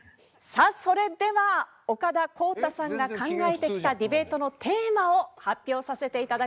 さあそれでは岡田康太さんが考えてきたディベートのテーマを発表させて頂きます。